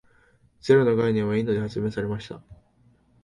ゼロの概念はインドで発明されました。